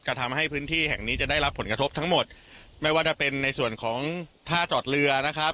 ทำให้พื้นที่แห่งนี้จะได้รับผลกระทบทั้งหมดไม่ว่าจะเป็นในส่วนของท่าจอดเรือนะครับ